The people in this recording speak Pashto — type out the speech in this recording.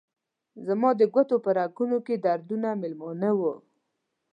زما د ګوتو په رګونو کې دردونه میلمانه وه